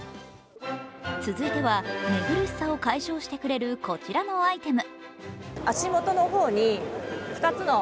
続いては、寝苦しさ解消してくれるこちらのアイテム。